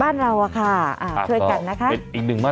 ตั้งแต่วันที่๑กรกฎาคมถึง๓๑ธันวาคมไปนี้นั่นเองครับ